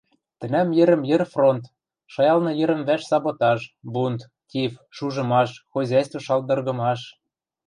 Тӹнӓм йӹрӹм-йӹр — фронт, шайылны йӹрӹм-вӓш — саботаж, бунт, тиф, шужымаш, хозяйство шалдыргымаш...